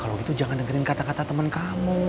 kalau gitu jangan dengerin kata kata teman kamu